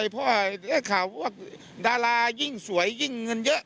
พ่อข่าวว่าดารายิ่งสวยยิ่งเงินเยอะ